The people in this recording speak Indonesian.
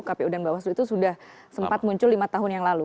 kpu dan bawaslu itu sudah sempat muncul lima tahun yang lalu